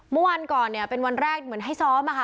เมื่อวันก่อนเนี่ยเป็นวันแรกเหมือนให้ซ้อมอะค่ะ